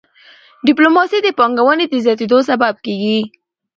ډيپلوماسي د پانګوني د زیاتيدو سبب کېږي.